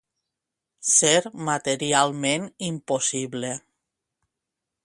Ser materialment impossible.